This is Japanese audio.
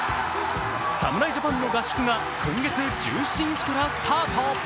侍ジャパンの合宿が今月１７日からスタート。